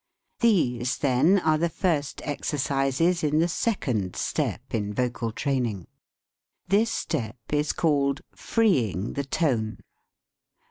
These, then, are the first exercises in the second step in vocal training. This step is called ''Freeing the Tone."